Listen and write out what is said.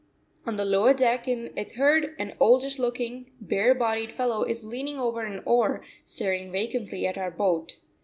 On the lower deck in a third, an oldish looking, bare bodied fellow is leaning over an oar, staring vacantly at our boat.